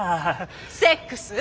セックス？